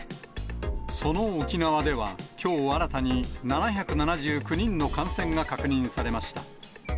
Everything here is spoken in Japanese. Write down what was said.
その沖縄では、きょう新たに７７９人の感染が確認されました。